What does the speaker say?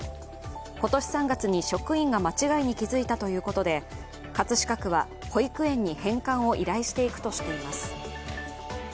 今年３月に職員が間違いに気づいたということで、葛飾区は、保育園に返還を依頼していくとしています。